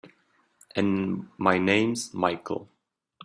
And my name's Michael.